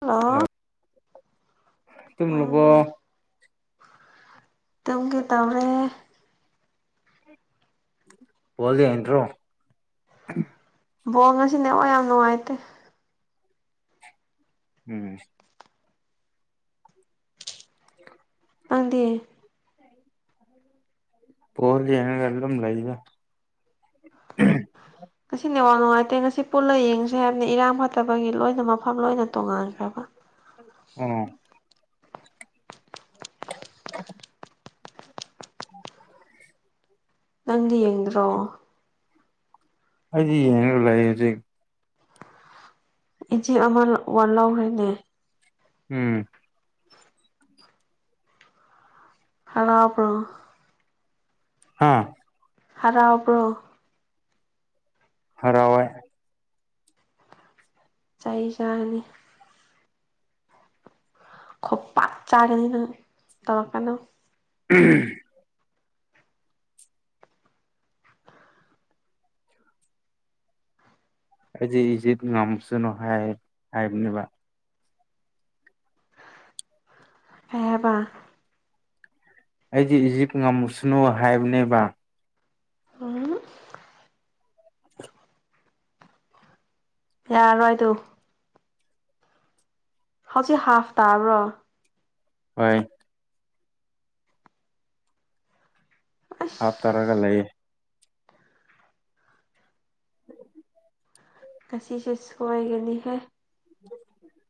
hello ꯇꯨꯝꯂꯕꯣ ꯎꯝ ꯇꯨꯝꯒꯦ ꯇꯧꯔꯦ ꯄꯣꯜ ꯌꯦꯡꯗ꯭ꯔꯣ ꯕꯣꯜ ꯉꯁꯤ ꯅꯦꯠꯋꯥꯛ ꯌꯥꯝ ꯅꯨꯡꯉꯥꯏꯇꯦ ꯎꯝ [inaudible] ꯅꯪꯗꯤ ꯕꯣꯜ ꯌꯦꯡꯉꯒ ꯂꯨꯝ ꯂꯩꯗ [unintelligible] ꯉꯁꯤ ꯅꯦꯠꯋꯥꯛ ꯅꯨꯡꯉꯥꯏꯇꯦ ꯉꯁꯤ ꯄꯨꯜꯂ ꯌꯦꯡꯁꯦ ꯍꯥꯏꯕꯅꯦ ꯏꯔꯥꯡ ꯐꯠꯇꯕꯒꯤ ꯂꯣꯏꯅꯃꯛ ꯐꯝ ꯂꯣꯏꯅ ꯇꯣꯉꯥꯟꯈ꯭ꯔꯕ ꯑꯣ [unintelligible] ꯅꯪꯗꯤ ꯌꯦꯡꯗ꯭ꯔꯣ ꯑꯩꯗꯤ ꯌꯦꯡꯔꯒ ꯂꯩꯌꯦ ꯍꯧꯖꯤꯛ ꯏꯆꯦ ꯑꯃꯔꯛ ꯋꯥꯠꯂꯧꯔꯦꯅꯦ ꯎꯝ ꯍꯔꯥꯎꯕ꯭ꯔꯣ ꯍꯥꯥ ꯍꯔꯥꯎꯕ꯭ꯔꯣ ꯍꯔꯥꯎꯋꯦ ꯆꯩ ꯆꯥꯅꯤ ꯈꯨꯄꯥꯛ ꯆꯥꯒꯅꯤ ꯅꯪ ꯇꯧꯔꯛꯀꯅꯨ ꯎꯝ ꯑꯩꯗꯤ ꯏꯖꯤꯞ ꯉꯝꯁꯅꯨ ꯍꯥꯏ ꯍꯥꯏꯕꯅꯦꯕ ꯀꯩ ꯍꯥꯢꯕ ꯑꯩꯗꯤ ꯏꯖꯤꯞ ꯉꯝꯃꯁꯅꯨ ꯍꯥꯏꯕꯅꯦꯕ ꯎꯝ ꯌꯥꯔꯣꯏ ꯗꯨ ꯍꯧꯖꯤꯛ ꯍꯥꯐ ꯇꯥꯕ꯭ꯔꯣ ꯍꯣꯏ ꯑꯁ ꯍꯥꯞꯇꯔꯒ ꯂꯩꯌꯦ ꯉꯁꯤꯁꯨ ꯁꯣꯢꯒꯅꯤꯍꯦ [inaudible]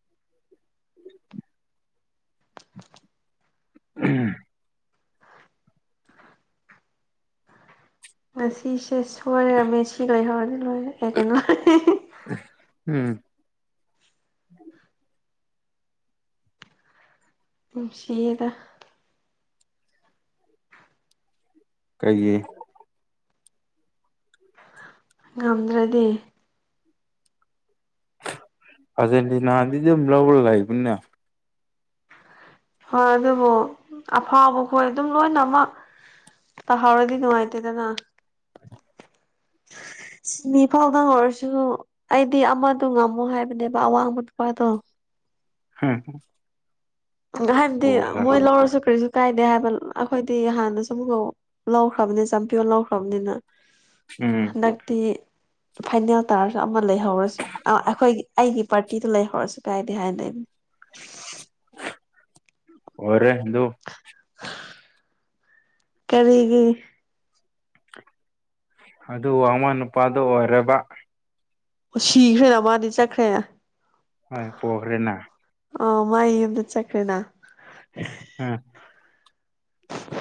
ꯎꯝ ꯉꯁꯤꯁꯦ ꯁꯣꯏꯔ ꯃꯦꯁꯤ ꯂꯩꯍꯧꯔꯗꯤ ꯂꯣꯏꯔꯦ ꯑꯦ ꯀꯩꯅꯣ ꯍꯦꯍꯦꯍꯦ ꯎꯝ ꯅꯨꯡꯁꯤꯌꯦꯗ ꯀꯩꯒꯤ ꯉꯝꯗ꯭ꯔꯗꯤ ꯑꯔꯖꯦꯟꯇꯤꯅꯥꯗꯤ ꯑꯗꯨꯝ ꯂꯧꯔ ꯂꯩꯕꯅꯦ ꯍꯣꯏ ꯑꯗꯨꯕꯨ ꯑꯐꯥꯎꯕꯈꯣꯏ ꯑꯗꯨꯝ ꯂꯣꯏꯅꯃꯛ ꯇꯥꯍꯧꯔꯗꯤ ꯅꯨꯡꯉꯥꯢꯇꯦꯗꯅꯥ [inaudible] ꯁꯤꯅꯤ ꯐꯥꯎꯗꯪ ꯑꯣꯏꯔꯁꯨ ꯑꯩꯗꯤ ꯑꯃꯗꯣ ꯉꯝꯃꯣ ꯍꯥꯏꯕꯅꯦꯕ ꯑꯋꯥꯡꯕ ꯅꯨꯄꯥꯗꯣ ꯍꯝ ꯍꯥꯏꯕꯗꯤ ꯃꯣꯏ ꯂꯧꯔꯁꯨ ꯀꯔꯤꯁꯨ ꯀꯥꯏꯗꯦ ꯍꯥꯏꯕ ꯑꯩꯈꯣꯏꯗꯤ ꯍꯥꯟꯅꯁꯨ ꯑꯃꯨꯛꯀ ꯂꯧꯈ꯭ꯔꯕꯅꯤ ꯆꯝꯄꯤꯌꯣꯟ ꯂꯧꯈ꯭ꯔꯕꯅꯤꯅ ꯎꯝ ꯍꯟꯗꯛꯇꯤ ꯐꯥꯏꯅꯦꯜ ꯇꯥꯔꯁꯨ ꯑꯃ ꯂꯩꯍꯧꯔꯁꯨ ꯑꯥ ꯑꯩꯈꯣꯏꯒꯤ ꯑꯩꯒꯤ ꯄꯥꯔꯇꯤꯗꯣ ꯂꯩꯍꯧꯔꯁꯨ ꯀꯥꯏꯗꯦ ꯍꯥꯏꯅ ꯂꯩꯕꯅꯦ ꯑꯣꯏꯔꯦ ꯑꯗꯨ ꯍꯥ ꯀꯔꯤꯒꯤ ꯑꯗꯨ ꯑꯃ ꯅꯨꯄꯥꯗꯨ ꯑꯣꯏꯔꯕ ꯑꯣ ꯁꯤꯈ꯭ꯔꯦꯅ ꯃꯥꯗꯤ ꯆꯠꯈ꯭ꯔꯦꯅ ꯍꯣꯏ ꯄꯣꯈ꯭ꯔꯦꯅ ꯑꯥ ꯃꯥꯏ ꯌꯨꯝꯗ ꯆꯠꯈ꯭ꯔꯦꯅ ꯎꯝ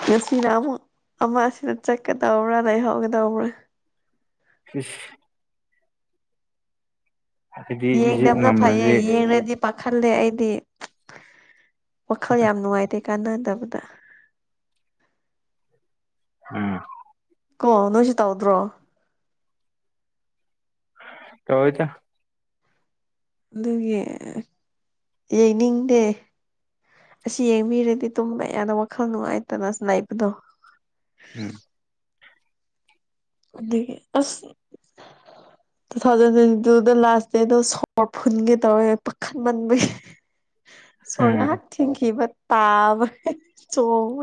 ꯉꯁꯤꯅ ꯑꯃꯨꯛ ꯑꯃꯁꯤꯅ ꯆꯠꯀꯗꯧꯔꯥ ꯂꯩꯍꯧꯒꯗꯧꯔ ꯢꯁ ꯑꯩꯗꯤ ꯏꯖꯤꯞ ꯌꯦꯡꯗꯕꯅ ꯐꯩꯌꯦ ꯉꯝꯔꯗꯤ ꯌꯦꯡꯔꯗꯤ ꯄꯥꯈꯠꯂꯦ ꯑꯩꯗꯤ ꯋꯥꯈꯜ ꯌꯥꯝ ꯅꯨꯡꯉꯥꯏꯇꯦ ꯀꯥꯟꯅꯥꯗꯕꯗ INAUDIBLE ꯀꯣ ꯅꯣꯏꯖꯨ ꯇꯧꯗ꯭ꯔꯣ ꯇꯧꯋꯦꯗ ꯑꯗꯨꯒꯤꯑꯥꯑꯣ ꯌꯦꯡꯅꯤꯡꯗꯦ ꯑꯥꯁꯤ ꯌꯦꯡꯕꯤꯔꯗꯤ ꯇꯨꯝꯕ ꯌꯥꯗ ꯋꯥꯈꯜ ꯅꯨꯡꯉꯥꯏꯇꯅ ꯂꯩꯕꯗꯣ ꯎꯪ ꯑꯗꯨꯒꯤ ꯑꯥꯁ INAUDIBLE ꯇꯨ ꯊꯥꯎꯖꯟ ꯇ꯭ꯋꯦꯟꯇꯤ ꯇꯨꯗ ꯂꯥꯁ ꯗꯦꯗꯣ ꯁꯣꯔ ꯐꯨꯟꯒꯦ ꯇꯧꯋꯦ ꯄꯥꯈꯠꯃꯟꯕꯒꯤ ꯁꯣꯔ ꯎꯝ ꯉꯥꯏꯍꯥꯛ ꯊꯤꯡꯈꯤꯕ ꯇꯥꯕ ꯍꯦ ꯆꯣꯡ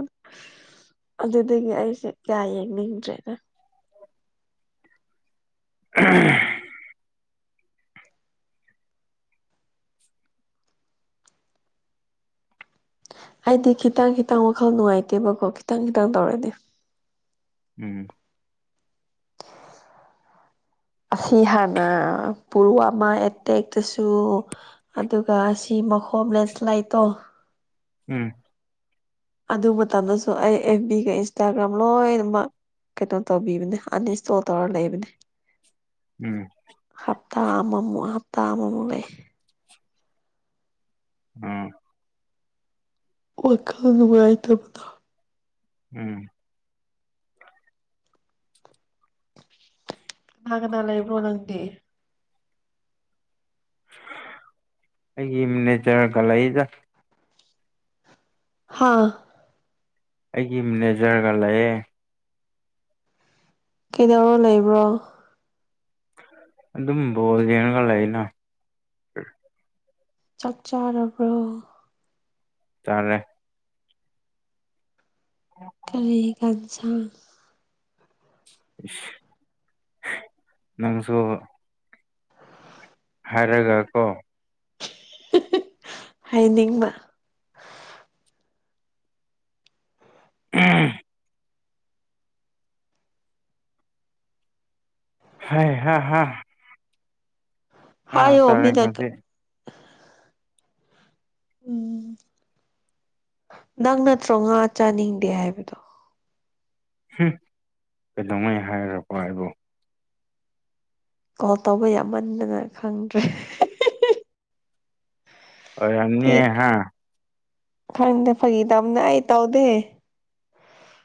ꯑꯗꯨꯗꯒꯤ ꯑꯩꯁꯦ ꯀꯌꯥ ꯌꯦꯡꯅꯤꯡꯗ꯭ꯔꯦꯗ INAUDIBLE ꯑꯩꯗꯤ ꯈꯤꯇꯪ ꯈꯤꯇꯪ ꯋꯥꯈꯜ ꯅꯨꯡꯉꯥꯏꯇꯦꯕꯀꯣ ꯈꯤꯇꯪ ꯈꯤꯇꯪ ꯇꯧꯔꯗꯤ ꯎꯪꯎꯪꯝ INAUDIBLE ꯑꯁꯤ ꯍꯥꯟꯅ ꯄꯨꯔꯨ ꯑꯃ ꯑꯦꯇꯦꯛꯇꯁꯨ ꯑꯗꯨꯒ ꯁꯤꯃꯥ ꯍꯣꯝꯂꯦꯁ ꯂꯩꯇꯣ ꯎꯪ ꯑꯗꯨ ꯃꯇꯝꯗꯁꯨ ꯑꯩ ꯑꯦꯐ ꯕꯤꯒ ꯏꯟꯁꯇꯥꯒ꯭ꯔꯥꯝ ꯂꯣꯏꯅꯃꯛ ꯀꯩꯅꯣ ꯇꯧꯕꯤꯕꯅꯦ ꯑꯟꯏꯟꯁꯇꯣꯜ ꯇꯧꯔꯒ ꯂꯩꯕꯅꯦ INAUDIBLE ꯊꯥ ꯑꯃꯃꯨꯛ ꯍꯞꯇꯥ ꯑꯃꯃꯨꯛ ꯂꯩ INAUDIBLE ꯋꯥꯈꯜ ꯅꯨꯡꯉꯥꯢꯇꯕꯗꯣ INAUDIBLE ꯀꯥꯅ- ꯀꯥꯅ ꯂꯩꯕ꯭ꯔꯣ ꯅꯪꯗꯤ ꯑꯩꯒꯤ ꯃꯦꯅꯦꯖꯔꯒ ꯂꯩꯗ ꯍꯥꯥꯑꯥ ꯑꯩꯒꯤ ꯃꯦꯅꯦꯖꯔꯒ ꯂꯩꯌꯦ ꯀꯩꯗꯧꯔ ꯂꯩꯕ꯭ꯔꯣ ꯑꯗꯨꯝ ꯕꯣꯜ ꯌꯦꯡꯔꯒ ꯂꯩꯌꯦꯅ ꯆꯥꯛ- ꯆꯥꯔꯕ꯭ꯔꯣ ꯆꯥꯔꯦ UNINTELLIGIBLE ꯢꯁ ꯅꯪꯖꯨ ꯍꯥꯢꯔꯒ ꯀꯣ ꯍꯥꯏꯅꯤꯡꯕ INAUDIBLE ꯍꯥꯏ ꯍꯥ ꯍꯥ ꯑꯥ ꯍꯥꯏꯌꯣ ꯃꯤꯅ ꯆꯔꯥꯢꯉꯥꯟꯕꯤ ꯎꯝ ꯅꯪ ꯅꯠꯇ꯭ꯔꯣ ꯉꯥ ꯆꯥꯅꯤꯡꯗꯦ ꯍꯥꯏꯕꯗꯣ ꯍꯨꯡ ꯀꯩꯗꯧꯉꯩ ꯍꯥꯏꯔꯛꯄ ꯑꯩꯕꯨ ꯀꯣꯜ ꯇꯧꯕ ꯌꯥꯝꯃꯟꯗꯅ ꯈꯪꯗ꯭ꯔꯦ ꯍꯤꯍꯤ ꯑꯣ ꯌꯥꯝꯅꯤ ꯍꯥ ꯈꯪꯏꯗ ꯐꯒꯤ ꯇꯧꯕꯅꯦ ꯑꯩ ꯇꯧꯗꯦ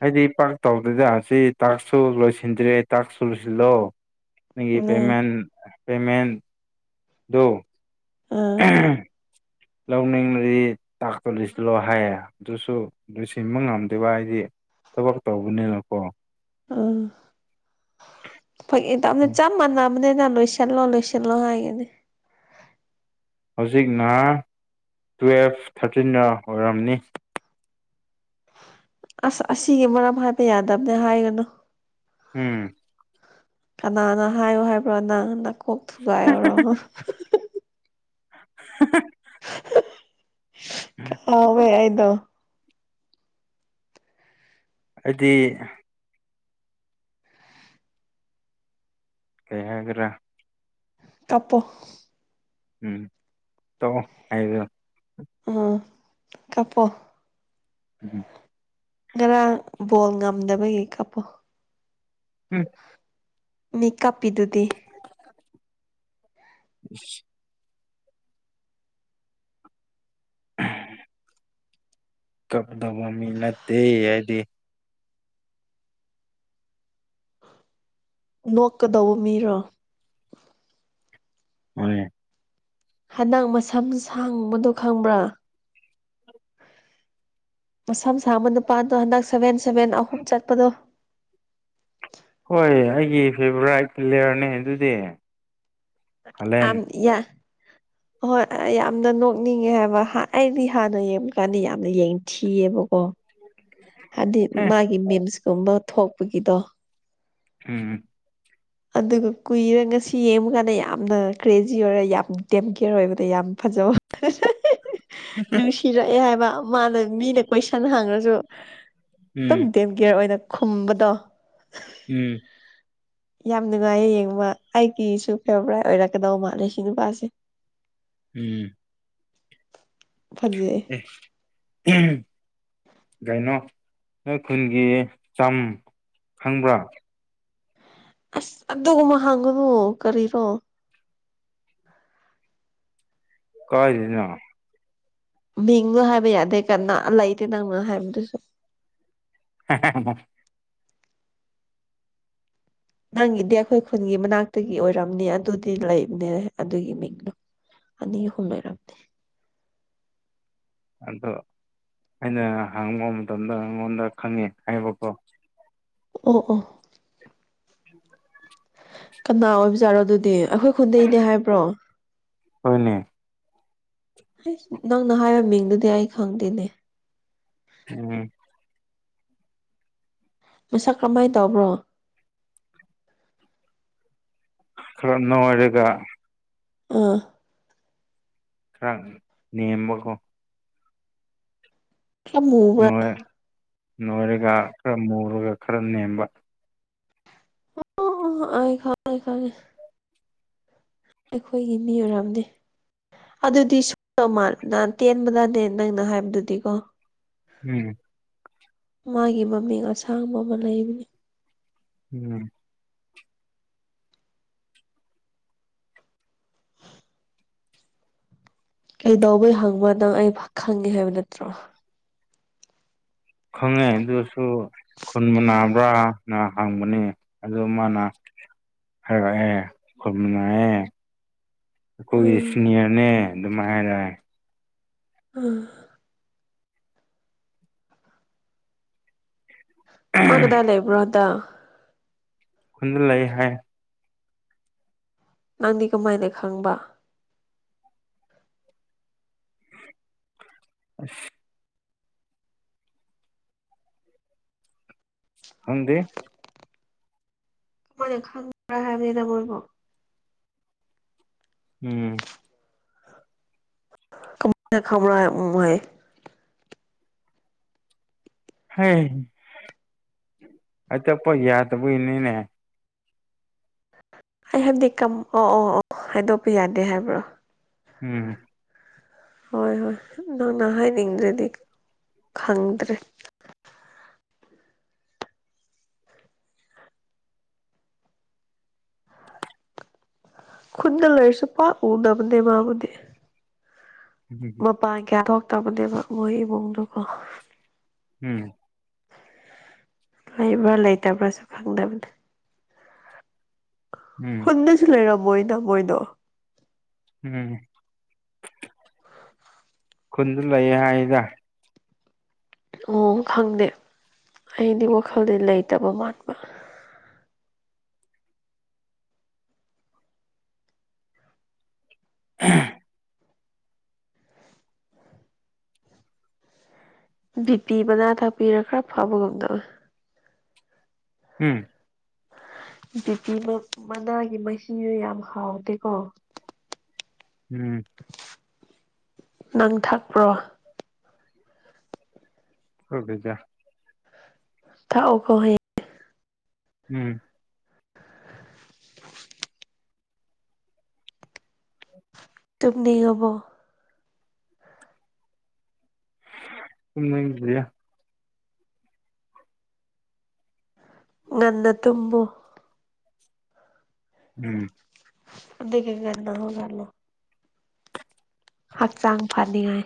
ꯑꯩꯗꯤ ꯄꯥꯛ ꯇꯧꯗ꯭ꯔꯦꯗ ꯁꯤ ꯇꯥꯛꯁꯨ ꯂꯣꯏꯁꯤꯟꯗ꯭ꯔꯦ ꯇꯥꯛꯁꯨ ꯂꯣꯏꯁꯤꯜꯂꯣ ꯅꯪꯒꯤ ꯎꯝ ꯄꯦꯃꯦꯟ ꯄꯦꯃꯦꯟꯗꯣ ꯑꯥ ꯂꯧꯅꯤꯡꯂꯗꯤ ꯇꯥꯛꯁꯇꯣ ꯂꯣꯢꯁꯤꯜꯂꯣ ꯍꯥꯏꯌꯦ ꯑꯗꯨꯁꯨ ꯂꯣꯢꯁꯤꯟꯕ ꯉꯝꯗꯕ ꯍꯥꯏꯗꯤ ꯊꯕꯛ ꯇꯧꯕꯅꯤꯅꯀꯣ ꯎꯝ ꯐꯩꯒꯤ ꯇꯧꯕꯅ ꯆꯞ ꯃꯥꯟꯅ ꯕꯅꯦꯅ ꯂꯣꯏꯁꯤꯜꯂꯣ ꯂꯣꯏꯁꯤꯜꯂꯣ ꯍꯥꯏꯒꯅꯤ ꯍꯧꯖꯤꯛꯅ ꯇꯨꯋꯦꯜꯐ ꯊꯥꯔꯇꯤꯟꯔ ꯑꯣꯏꯔꯝꯅꯤ ꯑꯁ ꯑꯁꯤꯒꯤ ꯃꯔꯝ ꯍꯥꯢꯕ ꯌꯥꯗꯕꯅꯦ ꯍꯥꯏꯒꯅꯨ ꯎꯝ ꯀꯅꯥꯅ ꯍꯥꯏꯌꯣ ꯍꯥꯏꯕ꯭ꯔꯣ ꯅꯪ ꯅꯀꯣꯛ ꯊꯨꯒꯥꯏꯌꯣꯔꯣ ꯍꯥꯍꯥꯍꯥ ꯍꯥꯍꯥ ꯍꯥ ꯀꯥꯎꯋꯦ ꯑꯩꯗꯣ ꯑꯩꯗꯤ ꯀꯩ ꯍꯥꯏꯒꯦꯔ ꯀꯞꯄꯣ ꯎꯝ ꯇꯣꯛꯑꯣ ꯍꯥꯏꯒꯦꯔ ꯎꯝ ꯀꯞꯄꯣ ꯎꯝ ꯉꯔꯥꯡ ꯕꯣꯜ ꯉꯝꯗꯕꯒꯤ ꯀꯞꯄꯣ ꯎꯝ ꯃꯤ ꯀꯞꯄꯤꯗꯨꯗꯤ ꯢꯁ ꯑꯥ ꯀꯞꯗꯕ ꯃꯤ ꯅꯠꯇꯦ ꯑꯩꯗꯤ ꯅꯣꯛꯀꯗꯧꯕ ꯃꯤꯔꯣ ꯍꯣꯏ ꯍꯟꯗꯛ ꯃꯁꯝ ꯁꯥꯡꯕꯗꯣ ꯈꯪꯕ꯭ꯔꯥ ꯃꯁꯝ ꯁꯥꯥꯡꯕ ꯅꯨꯄꯥꯗꯣ ꯍꯟꯗꯛ ꯁꯚꯦꯟ ꯁꯚꯦꯟ ꯑꯍꯨꯝ ꯆꯠꯄꯗꯣ ꯍꯣꯏ ꯑꯩꯒꯤ ꯐꯦꯚꯣꯔꯥꯏꯠ ꯄ꯭ꯂꯦꯌꯔꯅꯦ ꯑꯗꯨꯗꯤ ꯑ ꯍꯂꯦꯟ ꯌꯥꯝ ꯌꯥ [inaudible] ꯑꯍꯣꯏ ꯌꯥꯝꯅ ꯅꯣꯛꯅꯤꯡꯉꯦ ꯍꯥꯏꯕ ꯑꯩꯗꯤ ꯍꯥꯟꯅ ꯌꯦꯡꯕꯀꯥꯟꯗ ꯌꯥꯝꯅ ꯌꯦꯡꯊꯤꯌꯦꯕꯀꯣ [inaudible] ꯍꯥꯏꯗꯤ ꯍꯦ ꯃꯥꯒꯤ ꯃꯤꯝꯁꯀꯨꯝꯕ ꯊꯣꯛꯄꯒꯤꯗꯣ ꯎꯝ ꯑꯗꯨꯒ ꯀꯨꯏꯔ ꯉꯁꯤ ꯌꯦꯡꯕꯀꯥꯟꯗ ꯌꯥꯝꯅ ꯀ꯭ꯔꯦꯖꯤ ꯑꯣꯏꯔ ꯌꯥꯝ ꯗꯦꯝꯀꯤꯌꯔ ꯑꯣꯏꯕꯗ ꯌꯥꯝ ꯐ ꯖꯕ ꯑ ꯍꯦꯍꯦꯍꯦ ꯅꯨꯡꯁꯤꯔꯛꯑꯦ ꯍꯥꯏꯕ ꯃꯥꯅ ꯃꯤꯅ ꯀꯣꯏꯁꯟ ꯍꯪꯔꯁꯨ ꯗꯨꯝ ꯎꯝ ꯗꯦꯝꯀꯦꯌꯔ ꯑꯣꯏꯅ ꯈꯨꯝꯕꯗꯣ ꯎꯝ ꯌꯥꯝ ꯅꯨꯡꯉꯥꯏꯌꯦ ꯌꯦꯡꯕ ꯑꯩꯒꯤꯁꯨ ꯐꯦꯕꯔꯥꯏꯠ ꯑꯣꯏꯔꯛꯀꯗꯧ ꯃꯥꯜꯂꯦ ꯁꯤ ꯅꯨꯄꯥꯁꯦ ꯎꯝ ꯐꯖꯩꯌꯦ ꯎꯝ ꯀꯩꯅꯣ ꯅꯣꯏ ꯈꯨꯟꯒꯤ ꯆꯝ ꯈꯪꯕ꯭ꯔꯥ ꯑꯁ ꯑꯗꯨꯒꯨꯝꯕ ꯍꯪꯒꯅꯨ ꯀꯔꯤꯔꯣ ꯀꯥꯏꯗꯦꯅ ꯃꯤꯡꯗꯣ ꯍꯥꯏꯕ ꯌꯥꯗꯦ ꯀꯥꯅ ꯂꯩꯇꯦ ꯅꯪꯅ ꯍꯥꯏꯕꯗꯨꯁꯨ ꯍꯦꯍꯦꯍꯦꯍꯦ ꯅꯪꯒꯤꯗꯤ ꯑꯩꯈꯣꯏ ꯈꯨꯟꯒꯤ ꯃꯅꯥꯛꯇꯒꯤ ꯑꯣꯏꯔꯝꯅꯤ ꯑꯗꯨꯗꯤ ꯂꯩꯕꯅꯦ ꯑꯗꯨꯒꯤ ꯃꯤꯡꯗꯨ ꯑꯅꯤ ꯑꯍꯨꯝ ꯂꯩꯔꯝꯅꯤ [inaudible] ꯑꯗꯣ ꯑꯩꯅ ꯍꯪꯕ ꯃꯇꯝꯗ ꯑꯩꯉꯣꯟꯗ ꯈꯪꯉꯦ ꯍꯥꯏꯕꯀꯣ ꯑꯣ ꯑꯣ [inaudible] ꯀꯅꯥ ꯑꯣꯏꯕꯖꯥꯔꯣ ꯑꯗꯨꯗꯤ ꯑꯩꯈꯣꯏ ꯈꯨꯟꯗꯩꯅꯦ ꯍꯥꯏꯕ꯭ꯔꯣ ꯍꯣꯏꯅꯦ ꯍꯩꯁ ꯅꯪꯅ ꯍꯥꯏꯕ ꯃꯤꯡꯗꯨꯗꯤ ꯑꯩ ꯈꯪꯗꯦꯅꯦ ꯎꯝ ꯃꯁꯛ ꯀꯔꯝꯃꯥꯏꯅ ꯇꯧꯕ꯭ꯔꯣ ꯈꯔ ꯅꯣꯏꯔꯒ ꯑꯥ ꯈꯔ ꯅꯦꯝꯕꯀꯣ ꯈꯔ ꯃꯨꯕ꯭ꯔ ꯅꯣꯏ ꯅꯣꯏꯔꯒ ꯈꯔ ꯃꯨꯔꯒ ꯈꯔ ꯅꯦꯝꯕ ꯑꯣꯈ ꯑꯩ ꯈꯪꯉꯦ ꯈꯉꯦ ꯑꯩꯈꯣꯏꯒꯤ ꯃꯤ ꯑꯣꯏꯔꯝꯅꯤ ꯑꯗꯨꯗꯤ ꯁꯣ ꯇꯧ ꯃꯥꯜ ꯅꯍꯥꯟ ꯇꯦꯟꯕꯗꯅꯦ ꯅꯪꯅ ꯍꯥꯏꯕꯗꯨꯗꯤꯀꯣ ꯎꯝ ꯃꯥꯒꯤ ꯃꯃꯤꯡ ꯑꯁꯥꯡꯕ ꯑꯃ ꯂꯩꯕꯅꯦ ꯎꯝ ꯀꯩꯗꯧꯕ ꯍꯪꯕ ꯅꯪ ꯑꯩ ꯈꯪꯉꯦ ꯍꯥꯏꯕ ꯅꯠꯇ꯭ꯔꯣ ꯈꯪꯉꯦ ꯑꯗꯨ ꯑꯣꯏꯁꯨ ꯈꯨꯟ ꯃꯥꯟꯅꯕ꯭ꯔꯥ ꯅ ꯍꯥꯡꯕꯅꯤ ꯑꯗꯨ ꯃꯥꯅ ꯍꯥꯏꯔꯛꯑꯦ ꯈꯨꯟ ꯃꯥꯟꯅꯩꯌꯦ ꯑꯩꯈꯣꯏꯒꯤ ꯎꯝ ꯁꯤꯅꯤꯌꯔꯅꯦ ꯑꯗꯨꯝꯥꯏ ꯍꯥꯏꯔꯛꯑꯦ ꯑꯝ ꯃꯥ ꯀꯗꯥꯏ ꯂꯩꯕ꯭ꯔ ꯍꯟꯗꯛ ꯈꯨꯟꯗ ꯂꯩ ꯍꯥꯏ ꯅꯪꯗꯤ ꯀꯃꯥꯏꯅ ꯈꯪꯕ ꯑꯁ ꯈꯪꯗꯦ ꯀꯃꯥꯏꯅ ꯈꯪꯕ꯭ꯔꯥ ꯍꯥꯏꯕꯅꯤꯗ ꯃꯣꯏꯕꯨ ꯎꯝ ꯀꯃꯥꯏ ꯈꯪꯕꯔ ꯍꯥꯏꯔ ꯎꯪ ꯍꯥꯏ ꯍꯦ ꯍꯥꯏꯗꯣꯛꯄ ꯌꯥꯗꯕꯩꯅꯤꯅꯦ ꯑꯩ ꯍꯥꯏꯕꯗꯤ ꯀꯝ ꯑꯣ ꯑꯣ ꯑꯣ ꯍꯥꯏꯗꯣꯛꯄ ꯌꯥꯗꯦ ꯍꯥꯏꯕ꯭ꯔꯣ ꯎꯝ ꯍꯣꯏ ꯍꯣꯏ ꯅꯪꯅ ꯍꯥꯏꯅꯤꯡꯗ꯭ꯔꯗꯤ ꯈꯪꯗ꯭ꯔꯦ ꯈꯨꯨꯟꯗ ꯂꯩꯁꯨ ꯄꯥꯛ ꯎꯗꯕꯅꯦ ꯃꯥꯕꯨꯗꯤ ꯎꯝ ꯃꯄꯥꯟ ꯀꯌꯥ ꯊꯣꯛꯇꯕꯅꯦꯕ ꯃꯣꯏ ꯏꯃꯨꯡꯡꯗꯨꯀꯣ ꯎꯝ ꯂꯩꯕ꯭ꯔꯥ ꯂꯩꯇꯕ꯭ꯔꯥꯁꯨ ꯈꯪꯗꯕꯅꯤ ꯎꯝ ꯍꯨꯟꯗꯁꯨ ꯂꯩꯔꯝꯃꯣꯏꯅ ꯃꯣꯏꯗꯣ ꯎꯝ ꯈꯨꯟꯗ ꯂꯩꯌꯦ ꯍꯥꯏꯗ ꯎ ꯈꯪꯗꯦ ꯑꯩꯗꯤ ꯋꯥꯈꯜꯗꯤ ꯂꯩꯇꯕ ꯃꯥꯟꯕ [unintelligible] ꯕꯤ ꯄꯤ ꯃꯕꯅꯥ ꯊꯥꯛꯄꯤꯔꯥ ꯈꯔ ꯐꯕꯒꯨꯝꯗꯕ ꯇꯧꯋꯦ ꯎꯝ ꯕꯣ ꯄꯤ ꯃꯅꯥꯒꯤ ꯃꯍꯤꯗꯣ ꯌꯥꯝ ꯍꯥꯎꯇꯦꯀꯣ ꯎꯝ ꯅꯪ ꯊꯥꯛꯄ꯭ꯔꯣ ꯊꯛꯗꯦꯗ ꯊꯛ ꯑꯣꯀꯣ ꯍꯌꯦꯡ ꯎꯝ ꯇꯨꯝꯅꯤꯡꯉꯕꯣ ꯇꯨꯝꯅꯤꯡꯗ꯭ꯔꯤꯗ ꯉꯟꯅ ꯇꯨꯝꯃꯨ ꯎꯝ ꯑꯗꯨꯒ ꯉꯟꯅ ꯍꯧꯒꯠꯂꯣ ꯍꯛꯆꯥꯡ ꯐꯅꯤꯡꯉꯥꯏ